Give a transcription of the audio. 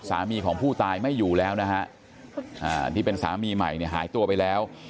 สามีของผู้ตายไม่อยู่แล้วนะฮะที่เป็นสามีใหม่เนี่ยหายตัวไปแล้ว